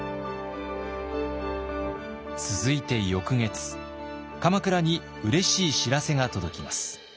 続いて翌月鎌倉にうれしい知らせが届きます。